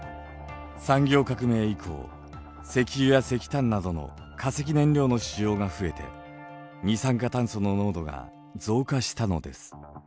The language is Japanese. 産業革命以降石油や石炭などの化石燃料の使用が増えて二酸化炭素の濃度が増加したのです。